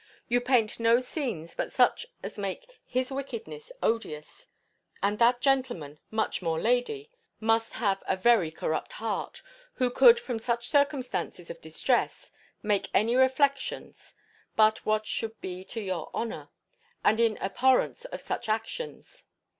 You paint no scenes but such as make his wickedness odious: and that gentleman, much more lady, must have a very corrupt heart, who could from such circumstances of distress, make any reflections, but what should be to your honour, and in abhorrence of such actions.